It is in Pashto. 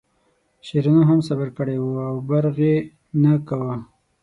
شیرینو هم صبر کړی و او برغ یې نه کاوه.